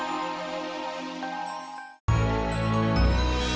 barangkali gak lupa sholat ya poh